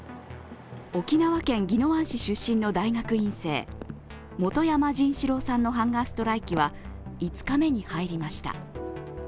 沖縄県宜野湾市出身の大学院生、元山仁士郎さんのハンガーストライキは５日目に入りました。